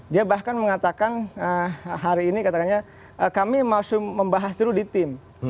dia bahkan mengatakan hari ini katakannya kami masih membahas dulu di tim